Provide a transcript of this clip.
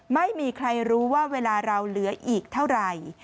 ไม่มีใครรู้ว่าเวลาเราเหลืออีกเท่าไหร่